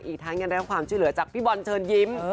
อีกทั้งยังได้รับความช่วยเหลือจากพี่บอลเชิญยิ้ม